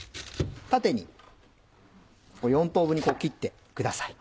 縦に４等分にこう切ってください。